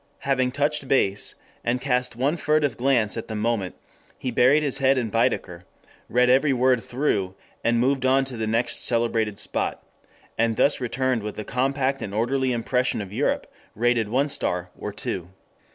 Having touched base, and cast one furtive glance at the monument, he buried his head in Baedeker, read every word through, and moved on to the next celebrated spot; and thus returned with a compact and orderly impression of Europe, rated one star, or two.